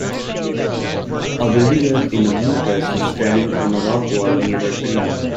A baby girl in a blue dress is standing on a rock wall near a tree.